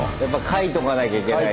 書いとかなきゃいけない。